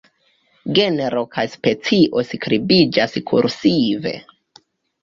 Genro kaj specio skribiĝas kursive.